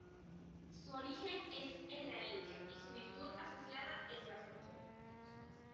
Su origen es en la India y su virtud asociada es la fortuna.